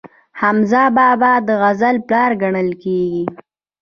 حمزه بابا د غزل پلار ګڼل کیږي.